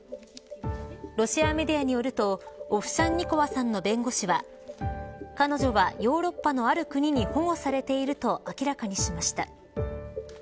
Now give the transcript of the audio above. ロシアメディアによるとオフシャンニコワさんの弁護士は彼女は、ヨーロッパのある国に保護されていると明らかにしました。